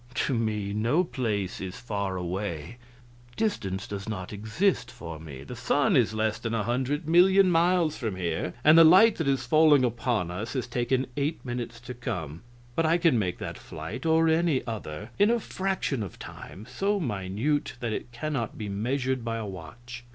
"To me no place is far away; distance does not exist for me. The sun is less than a hundred million miles from here, and the light that is falling upon us has taken eight minutes to come; but I can make that flight, or any other, in a fraction of time so minute that it cannot be measured by a watch.